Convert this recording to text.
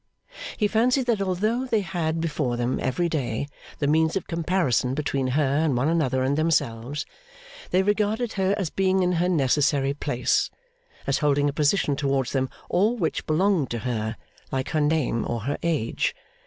He fancied that although they had before them, every day, the means of comparison between her and one another and themselves, they regarded her as being in her necessary place; as holding a position towards them all which belonged to her, like her name or her age.